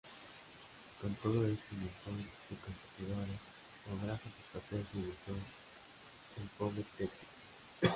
Con todo este montón de competidores, ¿podrá satisfacer su deseo el pobre Tete?